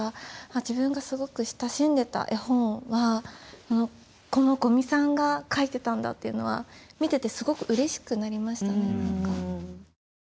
自分がすごく親しんでた絵本はこの五味さんが描いてたんだというのは見ててすごくうれしくなりましたね。